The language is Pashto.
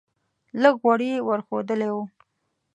لږ غوړي یې ور ښودلی و.